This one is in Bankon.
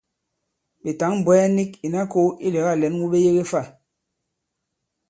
Ɓè tǎŋ-bwɛ̀ɛ nik ìna kō ilɛ̀gâ lɛ̌n wu ɓe yege fâ?